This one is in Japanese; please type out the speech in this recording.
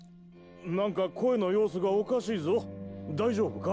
・なんか声の様子がおかしいぞ大丈夫か？